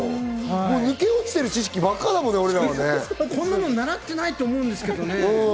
抜け落ちてる知識ばっかりだもんね、俺らは。こんなの習ってないと思うんですけどね。